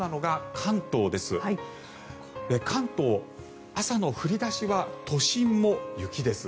関東、朝の降り出しは都心も雪です。